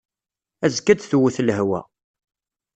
Azekka ad d-tewwet lehwa.